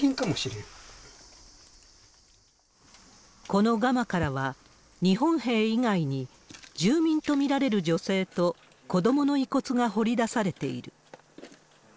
このガマからは、日本兵以外に、住民と見られる女性と子どもの遺骨が掘り出されている。